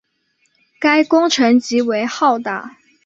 该工程极为浩大。